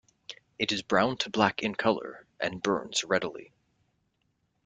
It is brown to black in color, and burns readily.